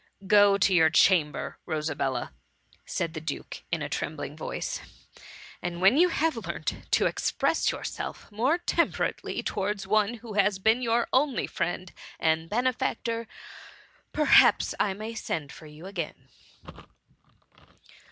^^ Go to your chamber, Rosabella, '^ said the duke, in a trembling voice, ^^ and when you have learnt to express yourself more tempe rately towards one who has been your only friend and benefactor, perhaps I may send for y6u again.